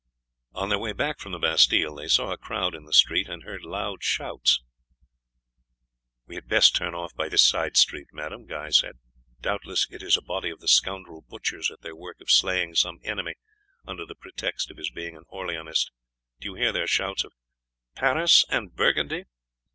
On their way back from the Bastille they saw a crowd in the street and heard loud shouts. "We had best turn off by this side street, madame," Guy said; "doubtless it is a body of the scoundrel butchers at their work of slaying some enemy under the pretext of his being an Orleanist. Do you hear their shouts of 'Paris and Burgundy!'?"